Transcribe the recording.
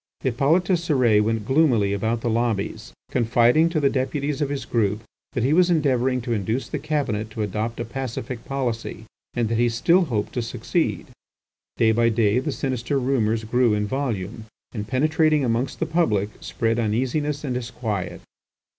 Hippolyte Cérès went gloomily about the lobbies, confiding to the Deputies of his group that he was endeavouring to induce the Cabinet to adopt a pacific policy, and that he still hoped to succeed. Day by day the sinister rumours grew in volume, and penetrating amongst the public, spread uneasiness and disquiet.